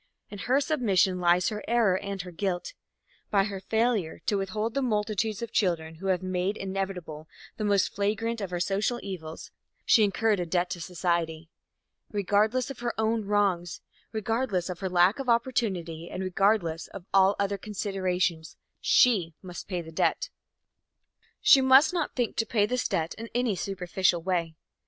In her submission lies her error and her guilt. By her failure to withhold the multitudes of children who have made inevitable the most flagrant of our social evils, she incurred a debt to society. Regardless of her own wrongs, regardless of her lack of opportunity and regardless of all other considerations, she must pay that debt. She must not think to pay this debt in any superficial way.